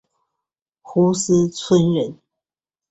斛斯椿人。